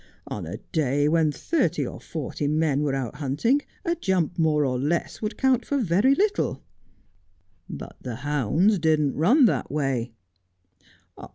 ' On a day when thirty or forty men were out hunting, a jump more or less would count for very little.' ' But the hounds didn't run that way.'